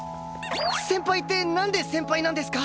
先輩ってなんで先輩なんですか！？